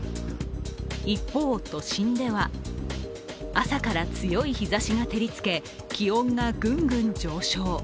一方、都心では朝から強い日ざしが照りつけ、気温がぐんぐん上昇。